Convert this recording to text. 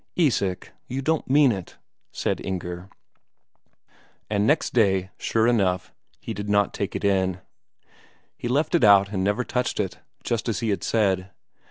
"Isak, you don't mean it!" said Inger. And next day, sure enough, he did not take it in. He left it out and never touched it, just as he had said.